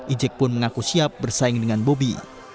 ejek pun mengaku siap bersaing dengan bobi